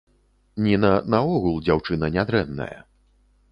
Ніна наогул дзяўчына нядрэнная.